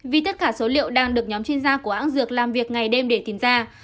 vì tất cả số liệu đang được nhóm chuyên gia của hãng dược làm việc ngày đêm để tìm ra